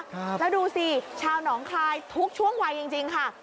แล้วดูสิชาวหนองคายทุกช่วงวัยจริงจริงค่ะ